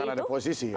ya karena ada posisi